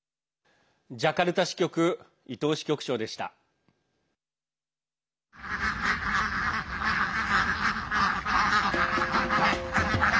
ジャカルタ支局伊藤支局長でした。